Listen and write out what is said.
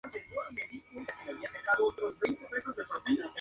Tras su lanzamiento recibió muchas críticas negativas.